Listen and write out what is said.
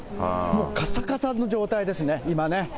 もうかっさかさの状態ですね、今ね。